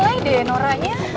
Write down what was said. mulai deh noranya